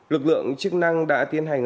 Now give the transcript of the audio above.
lực lượng chức năng đã tiến hành